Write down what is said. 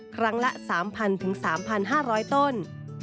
ครั้งละ๓๐๐๓๕๐๐ต้น